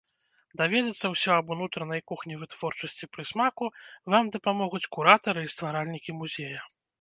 Даведацца ўсё аб унутранай кухні вытворчасці прысмаку вам дапамогуць куратары і стваральнікі музея.